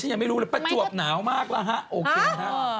ฉันยังไม่รู้เลยปะจวบหนาวมากแล้วฮะ